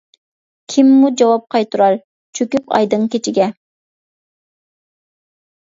كىممۇ جاۋاب قايتۇرار چۆكۈپ ئايدىڭ كېچىگە.